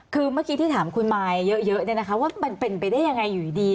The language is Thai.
คือเมื่อกี้ที่ถามคุณมายเยอะว่ามันเป็นไปได้ยังไงอยู่ดี